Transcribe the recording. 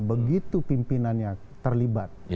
begitu pimpinannya terlibat